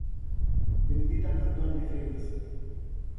Benedita Antônia de Freitas